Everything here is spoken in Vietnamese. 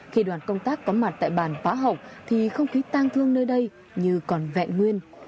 khi đoàn công tác có mặt tại bản pá hộc thì không khí tan thương nơi đây như còn vẹn nguyên